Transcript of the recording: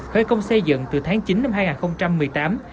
khởi công xây dựng từ tháng chín năm hai nghìn một mươi tám